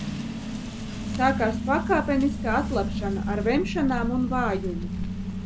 Sākās pakāpeniska atlabšana, ar vemšanām un vājumu.